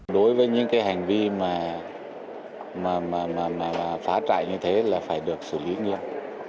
đối với những hành vi phá trại như thế là phải được xử lý nghiêm